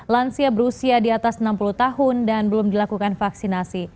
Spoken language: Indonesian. lansia berusia di atas enam puluh tahun dan belum dilakukan vaksinasi